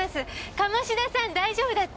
鴨志田さん大丈夫だって！